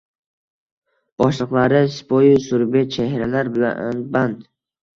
Boshliqlari sipoyu surbet chehralar bilan band.